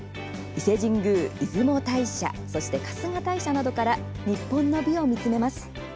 伊勢神宮、出雲大社そして春日大社などから日本の美を見つめます。